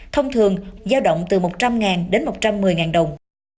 thông thường giao động từ một trăm linh ngàn đến một trăm một mươi ngàn đồng